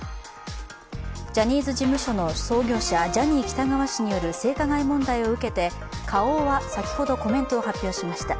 ジャニーズ事務所の創業者、ジャニー喜多川氏による性加害問題を受けて花王は先ほどコメントを発表しました。